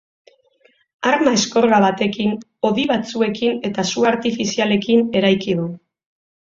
Arma eskorga batekin, hodi batzuekin eta su artifizialekin eraiki du.